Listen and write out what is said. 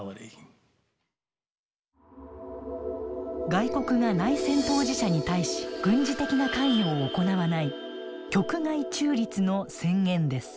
外国が内戦当事者に対し軍事的な関与を行わない局外中立の宣言です。